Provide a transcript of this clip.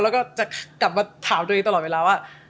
แล้วก็จะกลับมาถามตัวเองตลอดเวลาว่า